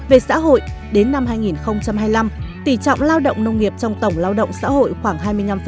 về xã hội đến năm hai nghìn hai mươi năm tỷ trọng lao động nông nghiệp trong tổng lao động xã hội khoảng hai mươi năm